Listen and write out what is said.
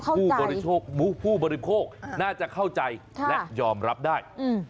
ผู้บริโภคผู้บริโภคน่าจะเข้าใจและยอมรับได้